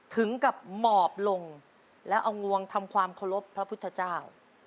ถึงกับหมอบลงแล้วเอางวงทำความเคารพพระพุทธเจ้า